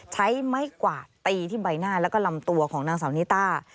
ใช้ไม้กวาดตีที่ใบหน้าแล้วก็ลำตัวของนางสาวนิต้า